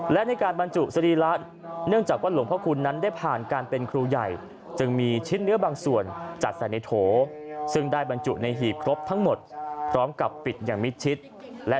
และในการบรรจุสรีละ